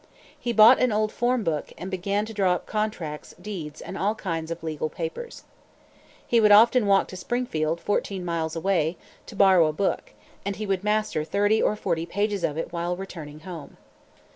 He bought an old form book, and began to draw up contracts, deeds, and all kinds of legal papers. He would often walk to Springfield, fourteen miles away, to borrow a book; and he would master thirty or forty pages of it while returning home.